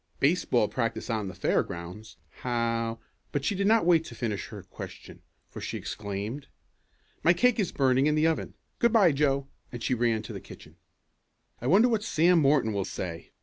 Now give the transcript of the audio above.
"Baseball practice on the fairgrounds. How " But she did not wait to finish her question for she exclaimed: "My cake is burning in the oven. Good bye, Joe!" and she ran to the kitchen. "I wonder what Sam Morton will say?"